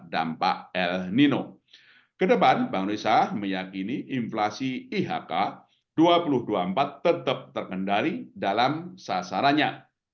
dampak el nino kedepan bangun isa meyakini inflasi ihk dua puluh empat tetap terkendali dalam sasarannya